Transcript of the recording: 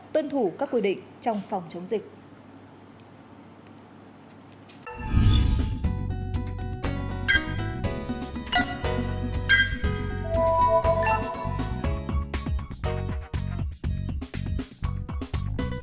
tuân thủ các quy định trong phòng chống dịch